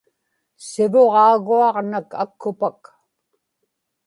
sivuġaaguaġnak akkupak